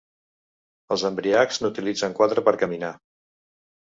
Els embriacs n'utilitzen quatre per caminar.